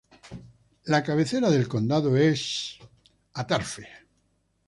La cabecera del condado es Shelbyville.